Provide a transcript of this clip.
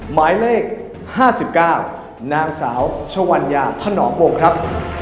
หมายเลข๕๙นางสาวชวัญญาถนอมวงครับ